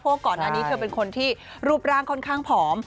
เพราะว่าก่อนหน้านี้เธอเป็นคนที่รูปร่างค่อนข้างผอม